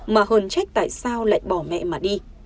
mà hơn trách tại sao lại bỏ mẹ mà đi